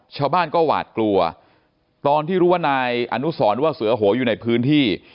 ชาวบ้านก็หวาดกลัวตอนที่รู้ว่านายอนุสรหรือว่าเสือโหอยู่ในพื้นที่